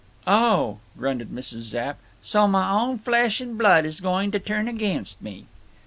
"Oh!" grunted Mrs. Zapp. "So mah own flesh and blood is going to turn against me!"